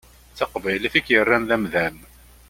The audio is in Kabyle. D taqbaylit i k-yerran d amdan.